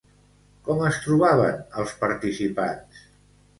Com es trobaven els participants?